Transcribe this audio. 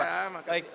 ya makasih ya